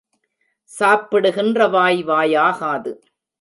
சாப்பிடுகின்ற வாய் வாயாகாது.